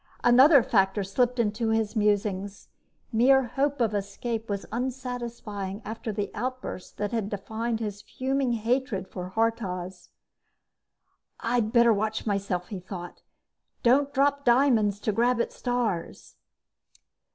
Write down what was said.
Another factor slipped into his musings: mere hope of escape was unsatisfying after the outburst that had defined his fuming hatred for Haurtoz. I'd better watch myself! he thought. _Don't drop diamonds to grab at stars!